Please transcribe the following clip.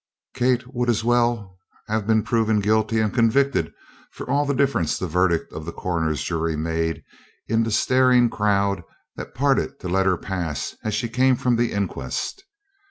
Kate would as well have been proven guilty and convicted, for all the difference the verdict of the coroner's jury made in the staring crowd that parted to let her pass as she came from the inquest.